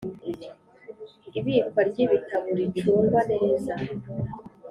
Ibikwa ry’ ibitabo ricungwa neza.